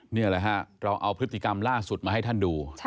นี่แหละฮะเราเอาพฤติกรรมล่าสุดมาให้ท่านดู